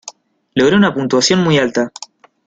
Logré una puntuación muy alta.